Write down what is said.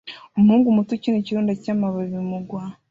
Umuhungu muto ukina ikirundo cyamababi mugwa